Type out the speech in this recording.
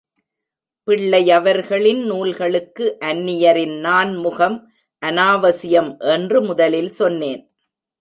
பிள்ளையவர்களின் நூல்களுக்கு அன்னியரின் நான்முகம் அனாவசியம் என்று முதலில் சொன்னேன்.